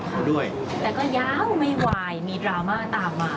แต่ก็ย้าวไม่วายมีดราม่าตามมา